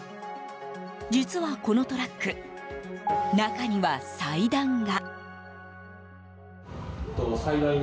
実は、このトラック中には祭壇が。